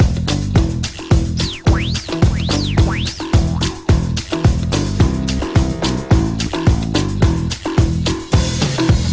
โปรดติดตามตอนต่อไป